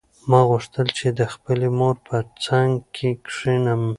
ما غوښتل چې د خپلې مور په څنګ کې کښېنم.